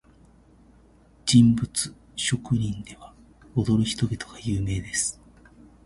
人物埴輪では、踊る人々が有名です。